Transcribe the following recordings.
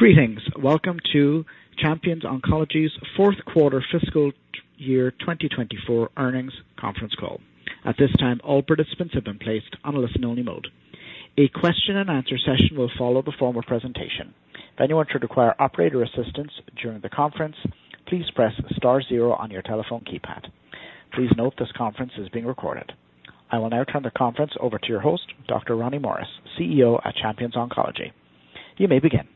Greetings! Welcome to Champions Oncology's Fourth Quarter Fiscal Year 2024 Earnings Conference Call. At this time, all participants have been placed on a listen-only mode. A question-and-answer session will follow the formal presentation. If anyone should require operator assistance during the conference, please press star zero on your telephone keypad. Please note, this conference is being recorded. I will now turn the conference over to your host, Dr. Ronnie Morris, CEO at Champions Oncology. You may begin.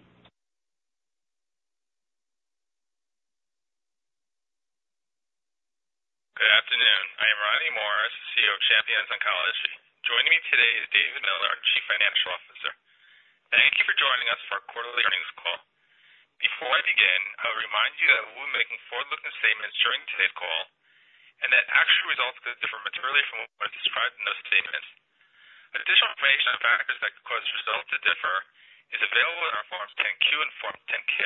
Good afternoon. I am Ronnie Morris, CEO of Champions Oncology. Joining me today is David Miller, our Chief Financial Officer. Thank you for joining us for our quarterly earnings call. Before I begin, I'll remind you that we'll be making forward-looking statements during today's call and that actual results could differ materially from what is described in those statements. Additional information on factors that could cause results to differ is available in our Form 10-Q and Form 10-K.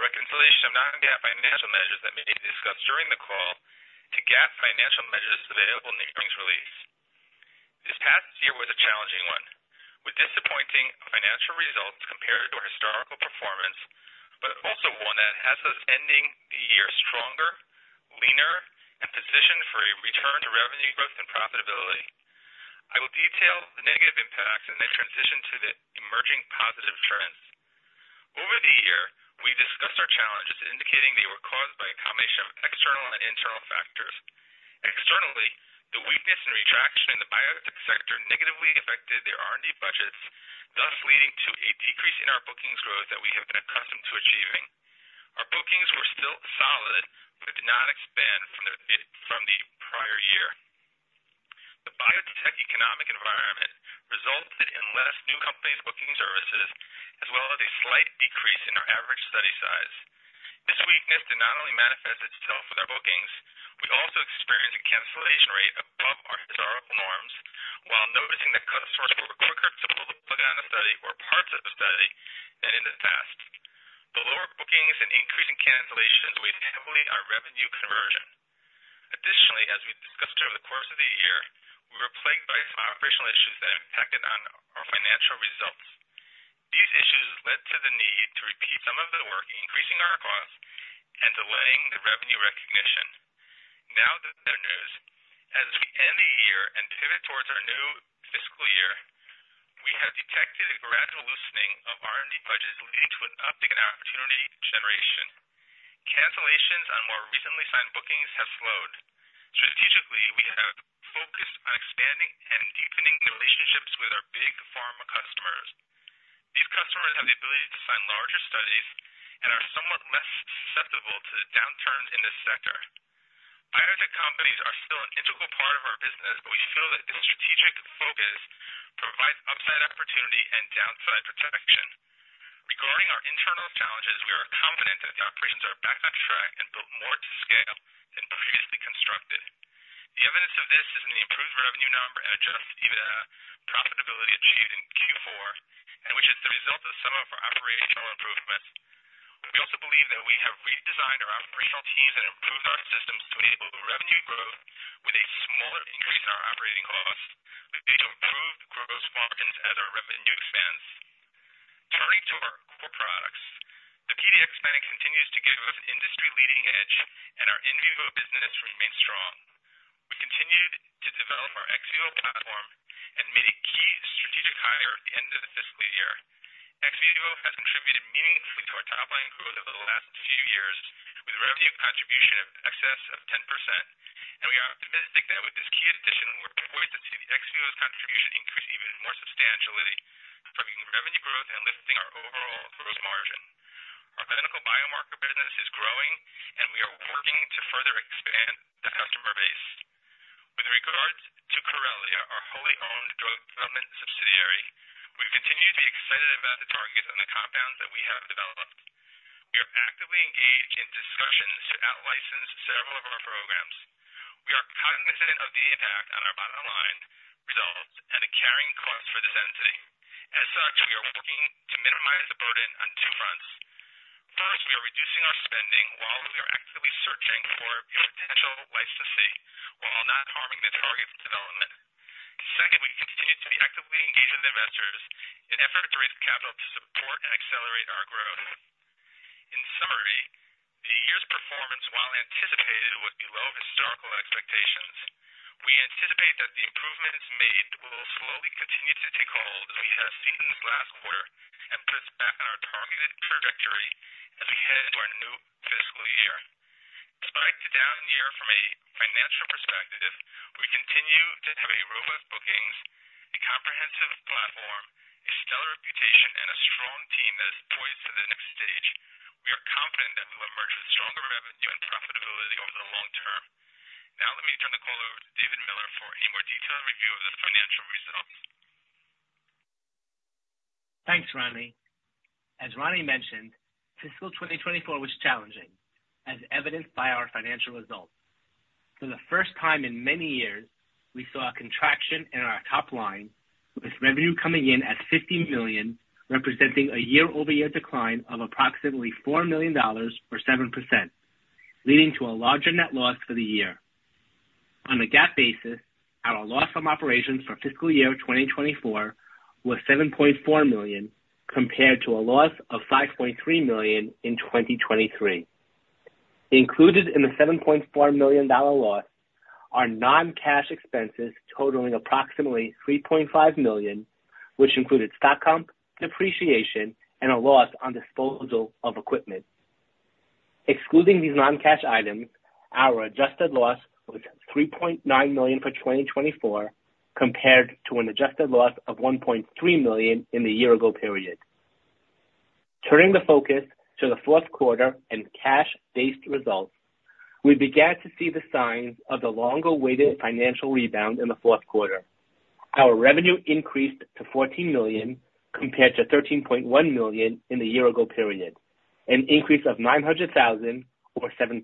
A reconciliation of non-GAAP financial measures that may be discussed during the call to GAAP financial measures available in the earnings release. This past year was a challenging one, with disappointing financial results compared to our historical performance, but also one that has us ending the year stronger, leaner, and positioned for a return to revenue growth and profitability. I will detail the negative impacts and then transition to the emerging positive trends. Over the year, we discussed our challenges, indicating they were caused by a combination of external and internal factors. Externally, the weakness and retraction in the biotech sector negatively affected their R&D budgets, thus leading to a decrease in our bookings growth that we have been accustomed to achieving. Our bookings were still solid, but did not expand from the prior year. The biotech economic environment resulted in less new companies booking services, as well as a slight decrease in our average study size. This weakness did not only manifest itself with our bookings, we also experienced a cancellation rate above our historical norms, while noticing that customers were quicker to pull the plug on a study or parts of the study than in the past. The lower bookings and increasing cancellations weighed heavily on revenue conversion. Additionally, as we've discussed over the course of the year, we were plagued by some operational issues that impacted on our financial results. These issues led to the need to repeat some of the work, increasing our costs and delaying the revenue recognition. Now the better news. As we end the year and pivot towards our new fiscal year, we have detected a gradual loosening of R&D budgets, leading to an uptick in opportunity generation. Cancellations on more recently signed bookings have slowed. Strategically, we have focused on expanding and deepening relationships with our big pharma customers. These customers have the ability to sign larger studies and are somewhat less susceptible to the downturn in this sector. Biotech companies are still an integral part of our business, but we feel that this strategic focus provides upside opportunity and downside protection. Regarding our internal challenges, we are confident that the operations are back on track and built more to scale than previously constructed. The evidence of this is in the improved revenue number and Adjusted EBITDA profitability achieved in Q4, and which is the result of some of our operational improvements. We also believe that we have redesigned our operational teams and improved our systems to enable revenue growth with a smaller increase in our operating costs, with which improved gross margins as our revenue expands. Turning to our core products, the PDX Bank continues to give us an industry-leading edge, and our in vivo business remains strong. We continued to develop our ex vivo platform and made a key strategic hire at the end of the fiscal year. ex vivo has contributed meaningfully to our top-line growth over the last few years, with revenue contribution in excess of 10%, and we are optimistic that with this key addition, we're poised to see the ex vivo contribution increase even more substantially, driving revenue growth and lifting our overall gross margin. Our clinical biomarker business is growing, and we are working to further expand the customer base. With regards to Corellia, our wholly owned drug development subsidiary, we continue to be excited about the targets and the compounds that we have developed. We are actively engaged in discussions to out-license several of our programs. We are cognizant of the impact on our bottom line results and the carrying costs for this entity. As such, we are working to minimize the burden on two fronts. First, we are reducing our spending while we are actively searching for a potential licensee, while not harming the target's development. Second, we continue to be actively engaged with investors in effort to raise capital to support and accelerate our growth. In summary, the year's performance, while anticipated, was below historical expectations. We anticipate that the improvements made will slowly continue to take hold, as we have seen this last quarter, and put us back on our targeted trajectory as we head into our new fiscal year. Despite the down year from a financial perspective, we continue to have a robust bookings, a comprehensive platform, a stellar reputation, and a strong team that is poised for the next stage. We are confident that we will emerge with stronger revenue and profitability over the long term. Now, let me turn the call over to David Miller for a more detailed review of the financial results. Thanks, Ronnie. As Ronnie mentioned, fiscal 2024 was challenging, as evidenced by our financial results. For the first time in many years, we saw a contraction in our top line, with revenue coming in at $50 million, representing a year-over-year decline of approximately $4 million or 7%, leading to a larger net loss for the year. ...On a GAAP basis, our loss from operations for fiscal year 2024 was $7.4 million, compared to a loss of $5.3 million in 2023. Included in the $7.4 million dollar loss are non-cash expenses totaling approximately $3.5 million, which included stock comp, depreciation, and a loss on disposal of equipment. Excluding these non-cash items, our adjusted loss was $3.9 million for 2024, compared to an adjusted loss of $1.3 million in the year ago period. Turning the focus to the fourth quarter and cash-based results, we began to see the signs of the longer-awaited financial rebound in the fourth quarter. Our revenue increased to $14 million, compared to $13.1 million in the year ago period, an increase of $900,000 or 7%.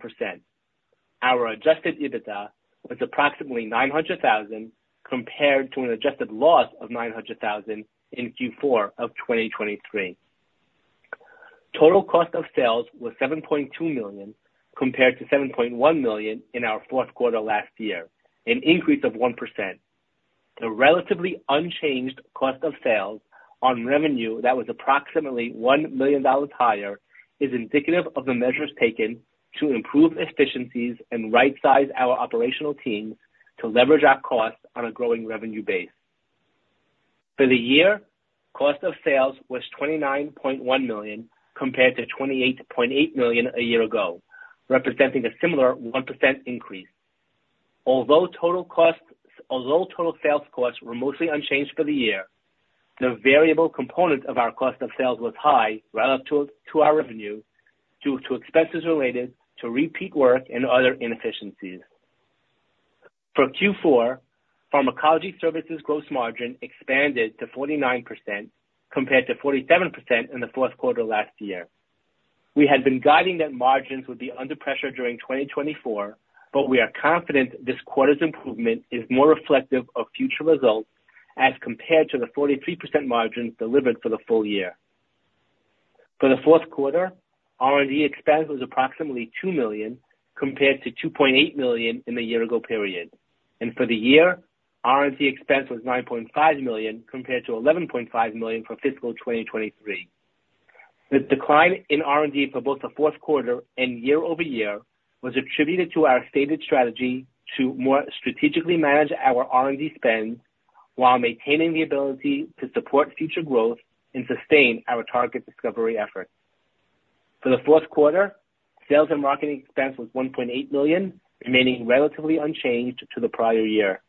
Our Adjusted EBITDA was approximately $900,000, compared to an adjusted loss of $900,000 in Q4 of 2023. Total cost of sales was $7.2 million, compared to $7.1 million in our fourth quarter last year, an increase of 1%. The relatively unchanged cost of sales on revenue that was approximately $1 million higher, is indicative of the measures taken to improve efficiencies and rightsize our operational teams to leverage our costs on a growing revenue base. For the year, cost of sales was $29.1 million, compared to $28.8 million a year ago, representing a similar 1% increase. Although total sales costs were mostly unchanged for the year, the variable component of our cost of sales was high, relative to our revenue, due to expenses related to repeat work and other inefficiencies. For Q4, pharmacology services gross margin expanded to 49%, compared to 47% in the fourth quarter last year. We had been guiding that margins would be under pressure during 2024, but we are confident this quarter's improvement is more reflective of future results as compared to the 43% margins delivered for the full year. For the fourth quarter, R&D expense was approximately $2 million, compared to $2.8 million in the year ago period. And for the year, R&D expense was $9.5 million, compared to $11.5 million for fiscal 2023. The decline in R&D for both the fourth quarter and year-over-year, was attributed to our stated strategy to more strategically manage our R&D spend, while maintaining the ability to support future growth and sustain our target discovery efforts. For the fourth quarter, sales and marketing expense was $1.8 million, remaining relatively unchanged to the prior year.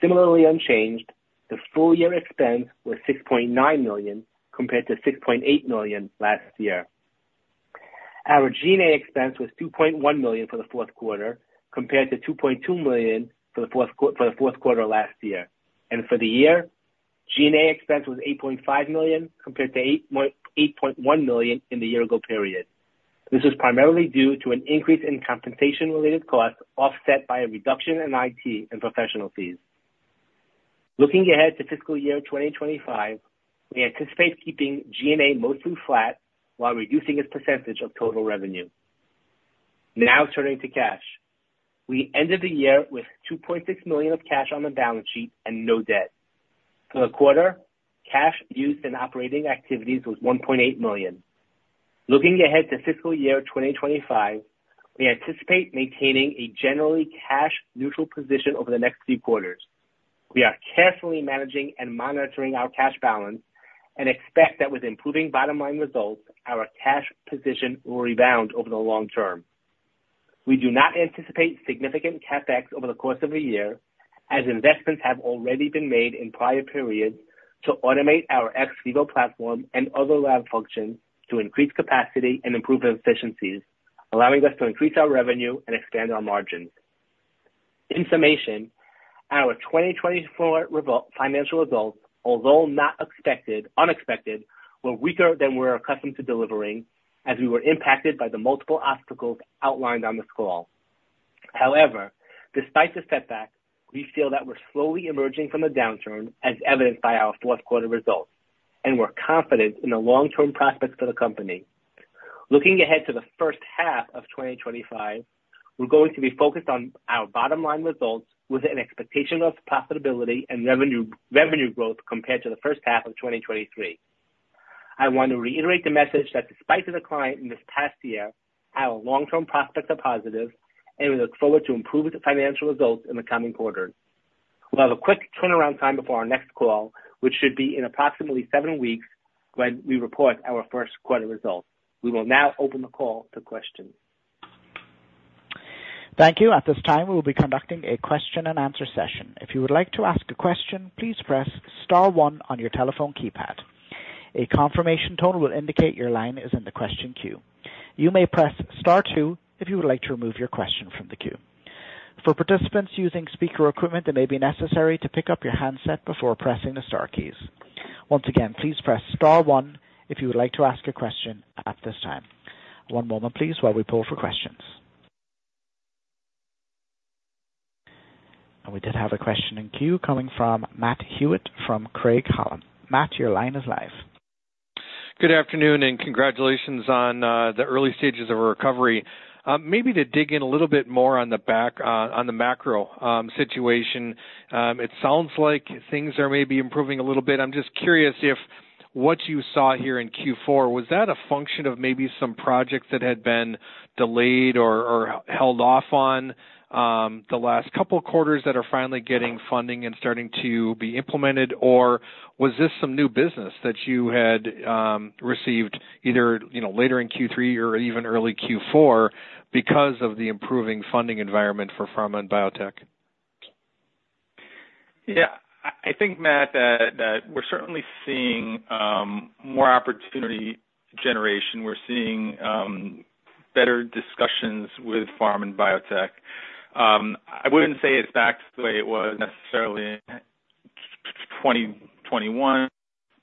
Similarly unchanged, the full year expense was $6.9 million, compared to $6.8 million last year. Our G&A expense was $2.1 million for the fourth quarter, compared to $2.2 million for the fourth quarter last year. And for the year, G&A expense was $8.5 million, compared to $8.1 million in the year ago period. This is primarily due to an increase in compensation-related costs, offset by a reduction in IT and professional fees. Looking ahead to fiscal year 2025, we anticipate keeping G&A mostly flat while reducing its percentage of total revenue. Now turning to cash. We ended the year with $2.6 million of cash on the balance sheet and no debt. For the quarter, cash used in operating activities was $1.8 million. Looking ahead to fiscal year 2025, we anticipate maintaining a generally cash neutral position over the next few quarters. We are carefully managing and monitoring our cash balance and expect that with improving bottom line results, our cash position will rebound over the long term. We do not anticipate significant CapEx over the course of the year, as investments have already been made in prior periods to automate our ex vivo platform and other lab functions to increase capacity and improve efficiencies, allowing us to increase our revenue and expand our margins. In summation, our 2024 financial results, although unexpected, were weaker than we're accustomed to delivering, as we were impacted by the multiple obstacles outlined on this call. However, despite the setback, we feel that we're slowly emerging from the downturn, as evidenced by our fourth quarter results, and we're confident in the long-term prospects for the company. Looking ahead to the first half of 2025, we're going to be focused on our bottom line results with an expectation of profitability and revenue growth compared to the first half of 2023. I want to reiterate the message that despite the decline in this past year, our long-term prospects are positive, and we look forward to improved financial results in the coming quarters. We'll have a quick turnaround time before our next call, which should be in approximately seven weeks, when we report our first quarter results. We will now open the call to questions. Thank you. At this time, we will be conducting a question-and-answer session. If you would like to ask a question, please press star one on your telephone keypad. A confirmation tone will indicate your line is in the question queue. You may press star two if you would like to remove your question from the queue. For participants using speaker equipment, it may be necessary to pick up your handset before pressing the star keys. Once again, please press star one if you would like to ask a question at this time. One moment please, while we pull for questions. We did have a question in queue coming from Matt Hewitt, from Craig-Hallum. Matt, your line is live.... Good afternoon, and congratulations on the early stages of recovery. Maybe to dig in a little bit more on the back, on the macro situation, it sounds like things are maybe improving a little bit. I'm just curious if what you saw here in Q4 was that a function of maybe some projects that had been delayed or held off on the last couple quarters that are finally getting funding and starting to be implemented? Or was this some new business that you had received either, you know, later in Q3 or even early Q4 because of the improving funding environment for pharma and biotech? Yeah, I think, Matt, that we're certainly seeing more opportunity generation. We're seeing better discussions with pharma and biotech. I wouldn't say it's back to the way it was necessarily in 2021,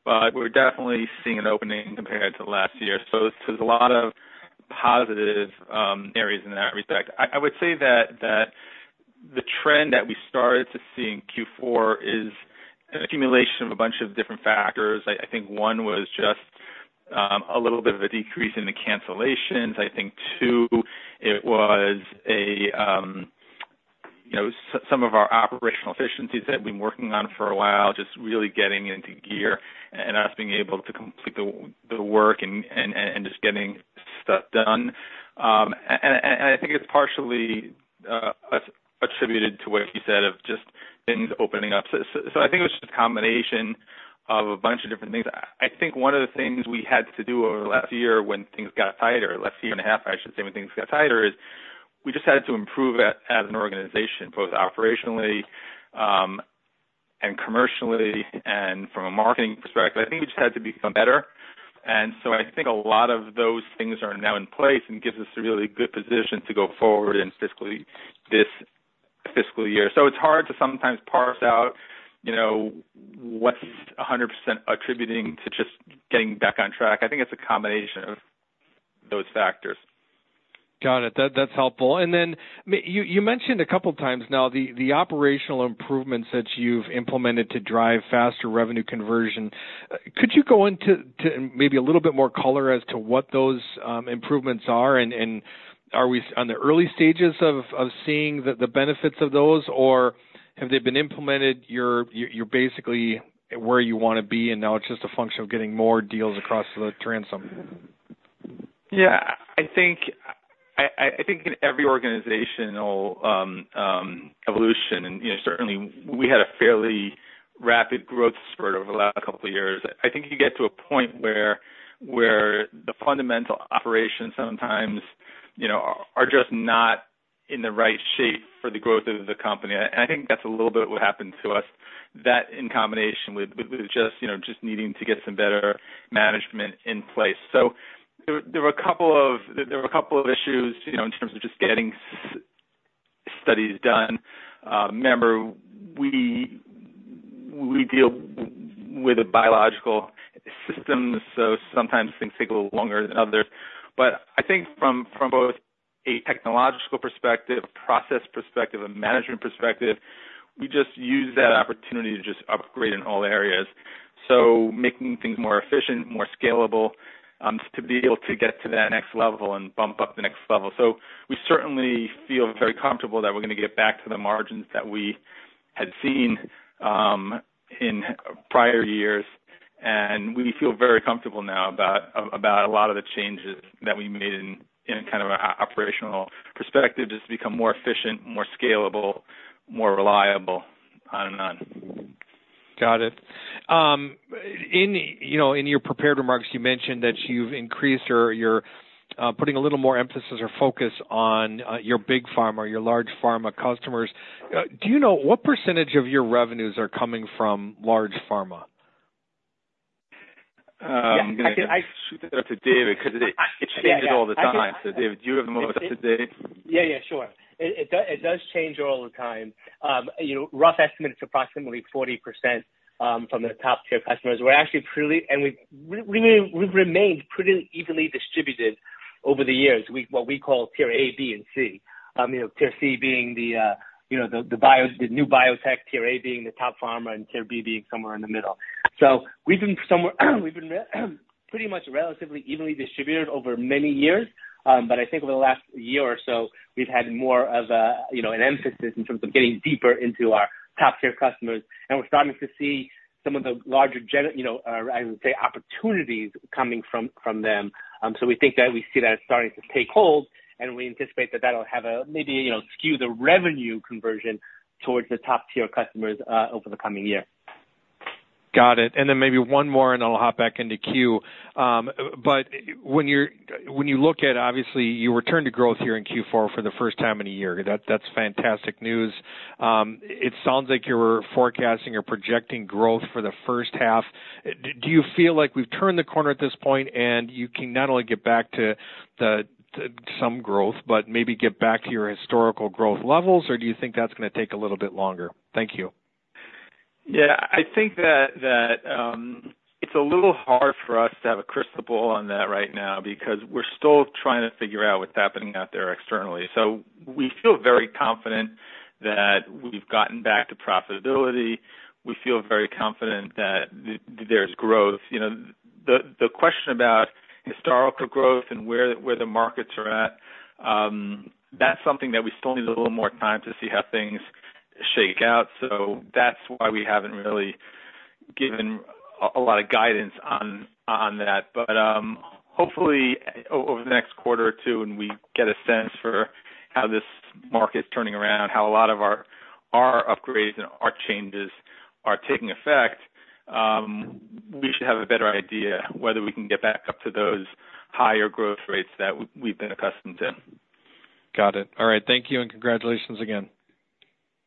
but we're definitely seeing an opening compared to last year. So there's a lot of positive areas in that respect. I would say that the trend that we started to see in Q4 is an accumulation of a bunch of different factors. I think one was just a little bit of a decrease in the cancellations. I think two, it was a, you know, some of our operational efficiencies that we've been working on for a while, just really getting into gear and us being able to complete the work and just getting stuff done. And I think it's partially attributed to what you said, of just things opening up. So I think it was just a combination of a bunch of different things. I think one of the things we had to do over the last year when things got tighter, last year and a half, I should say, when things got tighter, is we just had to improve as an organization, both operationally, and commercially and from a marketing perspective, I think we just had to become better. And so I think a lot of those things are now in place and gives us a really good position to go forward in fiscally, this fiscal year. So it's hard to sometimes parse out, you know, what's 100% attributing to just getting back on track. I think it's a combination of those factors. Got it. That's helpful. And then you mentioned a couple times now the operational improvements that you've implemented to drive faster revenue conversion. Could you go into to maybe a little bit more color as to what those improvements are? And are we on the early stages of seeing the benefits of those, or have they been implemented, you're basically where you want to be, and now it's just a function of getting more deals across the transom? Yeah, I think in every organizational evolution, and, you know, certainly we had a fairly rapid growth spurt over the last couple of years, I think you get to a point where the fundamental operations sometimes, you know, are just not in the right shape for the growth of the company. And I think that's a little bit what happened to us, that in combination with just, you know, just needing to get some better management in place. So there were a couple of issues, you know, in terms of just getting studies done. Remember, we deal with the biological systems, so sometimes things take a little longer than others. But I think from both a technological perspective, process perspective, a management perspective, we just use that opportunity to just upgrade in all areas. So making things more efficient, more scalable, to be able to get to that next level and bump up the next level. So we certainly feel very comfortable that we're gonna get back to the margins that we had seen in prior years, and we feel very comfortable now about about a lot of the changes that we made in in kind of an operational perspective, just become more efficient, more scalable, more reliable on and on. Got it. You know, in your prepared remarks, you mentioned that you've increased or you're putting a little more emphasis or focus on your big pharma or your large pharma customers. Do you know what percentage of your revenues are coming from large pharma? I'm gonna shoot that to David, because it, it changes all the time. So David, do you have them up to date? Yeah, yeah, sure. It does change all the time. You know, rough estimate, it's approximately 40% from the top tier customers. We're actually pretty... And we've remained pretty evenly distributed over the years. What we call tier A, B, and C. You know, tier C being the new biotech, tier A being the top pharma, and tier B being somewhere in the middle. So we've been pretty much relatively evenly distributed over many years. But I think over the last year or so, we've had more of a, you know, an emphasis in terms of getting deeper into our top tier customers, and we're starting to see some of the larger opportunities coming from them. So we think that we see that starting to take hold, and we anticipate that that'll have a maybe, you know, skew the revenue conversion towards the top tier customers, over the coming year. Got it. And then maybe one more, and then I'll hop back into queue. But when you're- when you look at, obviously, your return to growth here in Q4 for the first time in a year, that, that's fantastic news. It sounds like you're forecasting or projecting growth for the first half. Do you feel like we've turned the corner at this point, and you can not only get back to the, to some growth, but maybe get back to your historical growth levels, or do you think that's gonna take a little bit longer? Thank you. Yeah, I think that it's a little hard for us to have a crystal ball on that right now, because we're still trying to figure out what's happening out there externally. So we feel very confident that we've gotten back to profitability. We feel very confident that there's growth. You know, the question about historical growth and where the markets are at, that's something that we still need a little more time to see how things shake out. So that's why we haven't really given a lot of guidance on that. But, hopefully, over the next quarter or two, when we get a sense for how this market's turning around, how a lot of our, our upgrades and our changes are taking effect, we should have a better idea whether we can get back up to those higher growth rates that we've been accustomed to. Got it. All right.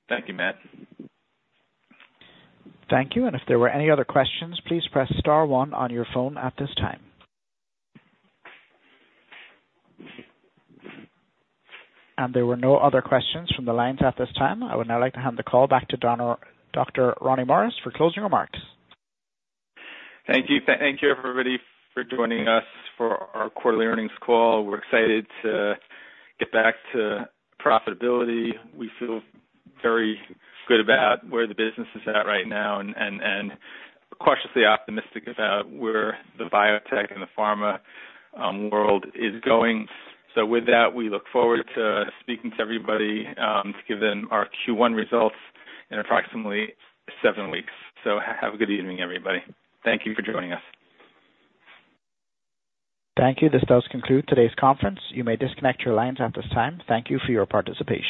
Thank you, and congratulations again. Thank you, Matt. Thank you, and if there were any other questions, please press star one on your phone at this time. There were no other questions from the lines at this time. I would now like to hand the call back to Dr. Ronnie Morris for closing remarks. Thank you. Thank you, everybody, for joining us for our quarterly earnings call. We're excited to get back to profitability. We feel very good about where the business is at right now and cautiously optimistic about where the biotech and the pharma world is going. So with that, we look forward to speaking to everybody to give them our Q1 results in approximately seven weeks. So have a good evening, everybody. Thank you for joining us. Thank you. This does conclude today's conference. You may disconnect your lines at this time. Thank you for your participation.